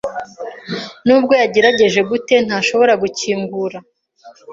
Nubwo yagerageje gute, ntashobora gukingura.